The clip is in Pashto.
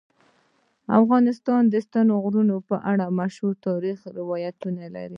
افغانستان د ستوني غرونه په اړه مشهور تاریخی روایتونه لري.